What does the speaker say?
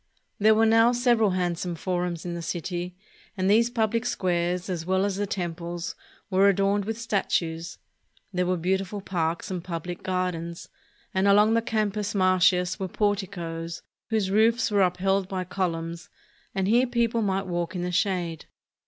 There were now several handsome forums in the city; and these pubHc squares, as well as the temples, were adorned with statues. There were beautiful parks and pubHc gardens, and along the Campus Martius were porticoes, whose roofs were up held by columns, and here people might walk in the shade.